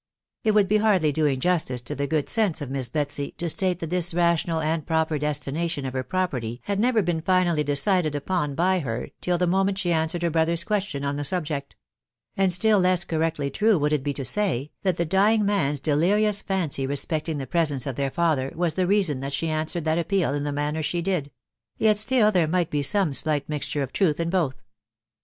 It would be hardly doing justice to the good sense of Miss Betsy to state that this rational and proper destination of her property had never been finally decided upon by her till the moment she answered her brother's question on the subject ; and still less correctly true would it be to say, that the dying man's delirious fancy respecting the presence of their father was the reason that she answered that appeal in the manner she did ; yet still there might be some slight mixture of truth in both.